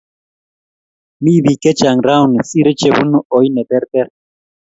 mii biik chechang rauni siree chebunuu ooi neterter